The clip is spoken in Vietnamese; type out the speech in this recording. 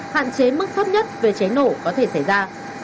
hạn chế mức thấp nhất về cháy nổ có thể xảy ra